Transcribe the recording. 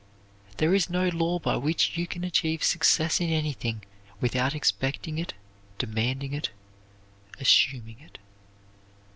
There is no law by which you can achieve success in anything without expecting it, demanding it, assuming it.